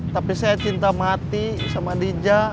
tapi saya cinta mati sama dija